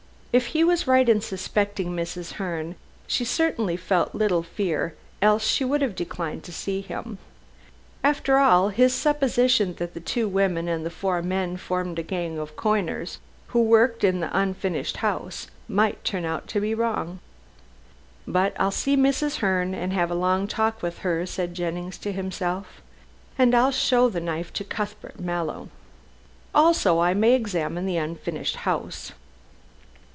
If he was right in suspecting Mrs. Herne, she certainly felt little fear, else she would have declined to see him. After all, his supposition that the two women and the four men formed a gang of coiners, who worked in the unfinished house, might turn out to be wrong. "But I'll see Mrs. Herne and have a long talk with her," said Jennings to himself. "And then I'll show the knife to Cuthbert Mallow. Also I may examine the unfinished house.